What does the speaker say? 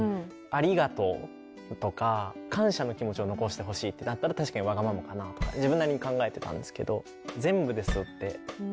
ありがとうとか感謝の気持ちを残してほしいってなったら確かにわがままかなとか自分なりに考えてたんですけど「全部です」って。